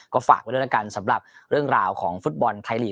ก็ฝากไว้ด้วยแล้วกันสำหรับเรื่องราวของฟุตบอลไทยลีก